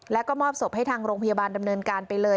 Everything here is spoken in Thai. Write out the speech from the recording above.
แล้วก็มอบศพให้ทางโรงพยาบาลดำเนินการไปเลย